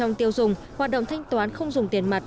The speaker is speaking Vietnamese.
trong tiêu dùng hoạt động thanh toán không dùng tiền mặt